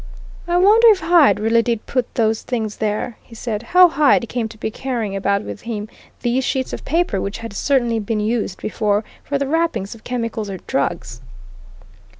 "I wonder, if Hyde really did put those things there," he said, "how Hyde came to be carrying about with him these sheets of paper which had certainly been used before for the wrappings of chemicals or drugs?"